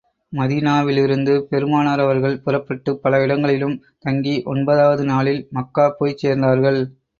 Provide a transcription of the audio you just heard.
மதீனாவிலிருந்து பெருமானார் அவர்கள் புறப்பட்டுப் பல இடங்களிலும் தங்கி ஒன்பதாவது நாளில் மக்கா போய்ச் சேர்ந்தார்கள்.